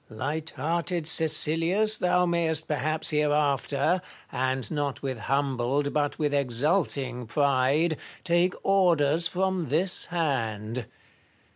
Light hearted Caecilius, thou mayest perhaps hereafter, and not with humbled but with exulting pride, take orders from this hand.